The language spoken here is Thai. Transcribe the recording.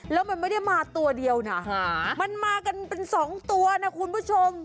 แล้วมันไม่ได้มาตัวเดียวนะมันมากันเป็นสองตัวนะคุณผู้ชม